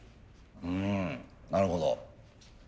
うんなるほど。